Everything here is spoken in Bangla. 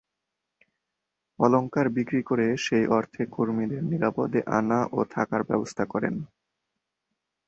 অলংকার বিক্রি করে সেই অর্থে কর্মীদের নিরাপদে আনা ও থাকার ব্যবস্থা করেন।